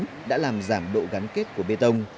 cây cầu này đã làm giảm độ gắn kết của bê tông